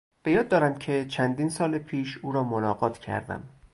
بیاد دارم که چندین سال پیش او را ملاقات کردم.